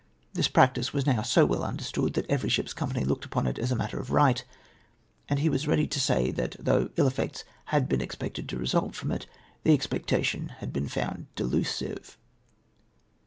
This practice was now so well understood, that every ship's company looked upon it as a matter of right, and he was ready to say that though ill effects had been ex pected to result from it, the expectation had been f(jund delusive.